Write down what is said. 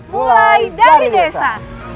mulai dari desa